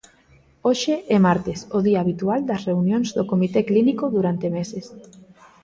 Hoxe é martes, o día habitual das reunións do comité clínico durante meses.